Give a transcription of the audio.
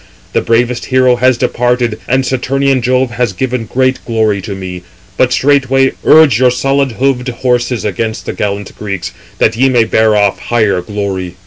The bravest hero has departed, and Saturnian Jove has given great glory to me. But straightway urge your solid hoofed horses against the gallant Greeks, that ye may bear off higher glory."